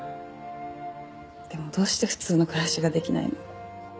でもどうして普通の暮らしができないの？